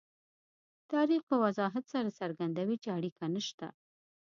تاریخ په وضاحت سره څرګندوي چې اړیکه نشته.